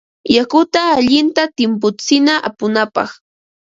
Yakuta allinta timputsina upunapaq.